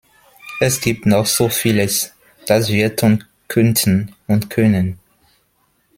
Es gibt noch so vieles, das wir tun könnten und können.